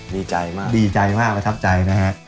ดีใจมากดีใจมากประทับใจนะฮะ